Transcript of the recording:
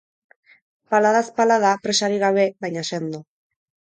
Paladaz palada, presarik gabe, baina sendo.